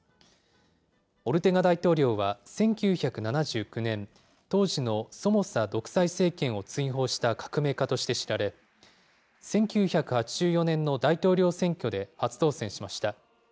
オルテガ大統領は、１９７９年、当時のソモサ独裁政権を追放した革命家として知られ、１９８４年の大統領選挙で初当選しました。